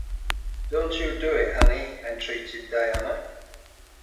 “Don’t you do it, Annie,” entreated Diana.